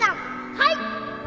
はい